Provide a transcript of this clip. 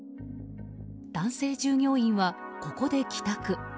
男性従業員はここで帰宅。